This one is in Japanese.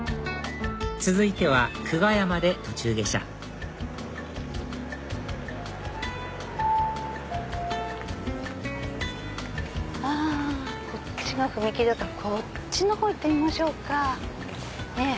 続いては久我山で途中下車こっちが踏切だからこっちの方行ってみましょうか。ねぇ。